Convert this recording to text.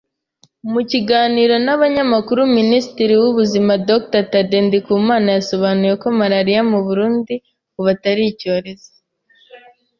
Mu kiganiro n'abanyamakuru, Minisitiri w'ubuzima Dr Thaddée Ndikumana yasobanuye ko malaria mu Burundi ubu atari icyorezo